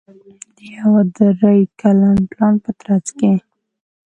د یوه درې کلن پلان په ترڅ کې